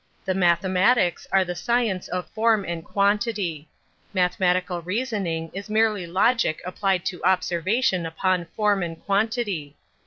The mathematics are the science of form and quantity; mathematical reasoning is merely logic applied to observation upon form and quantity.